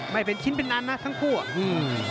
ไม่เป็นชิ้นเป็นอันนะทั้งคู่